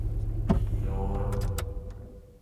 โดน